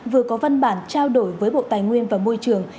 vừa có văn bản trao đổi với bộ tài nguyên và môi trường